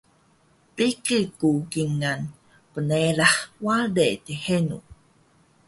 biqi ku kingal pngerah ware dhenu